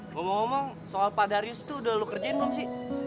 ngomong ngomong soal pak darius tuh udah lu kerjain belum sih